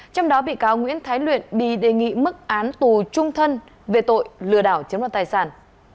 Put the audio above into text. trong đó bị cáo nguyễn thái luyện bị đề nghị mức án tù trung thân về tội lừa đảo chiếm đoạt tài sản